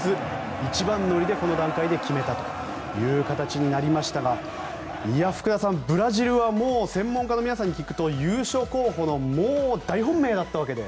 一番乗りでこの段階で決めたという形になりましたが福田さん、ブラジルは専門家の皆さんに聞くと優勝候補のもう大本命だったわけで。